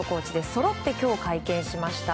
そろって今日会見しました。